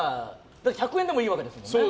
１００円でもいいわけですもんね。